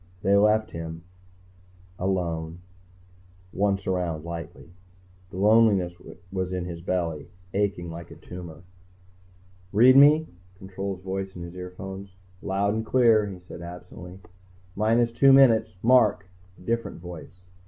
_ They left him. Alone. Once around lightly. The loneliness was in his belly, aching like a tumor. "... read me?" Control's voice in his earphones. "Loud and clear," he said absently. "... minus two minutes ... mark!" A different voice.